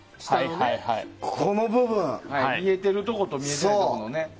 見えてるところと見えてないところね。